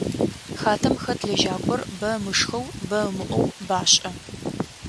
Хатэм хэт лэжьакӏор бэ ымышхэу, бэ ымыӏоу башӏэ.